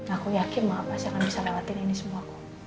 aku yakin mama pasti bisa lewatin ini semua